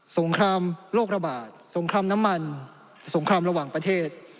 งครามโรคระบาดสงครามน้ำมันสงครามระหว่างประเทศ